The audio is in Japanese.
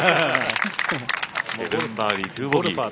７バーディー、２ボギー。